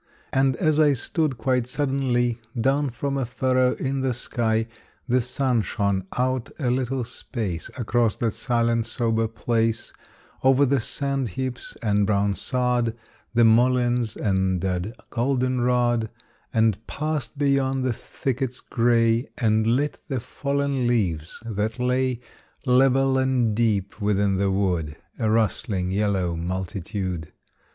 And as I stood, quite suddenly, Down from a furrow in the sky The sun shone out a little space Across that silent sober place, Over the sand heaps and brown sod, The mulleins and dead goldenrod, And passed beyond the thickets gray, And lit the fallen leaves that lay, Level and deep within the wood, A rustling yellow multitude.